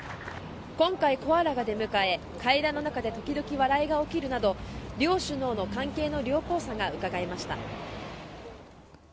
今回、コアラが出迎え会談の中で時折、笑いが起きるなど両首脳の関係の良好さがうかがえました。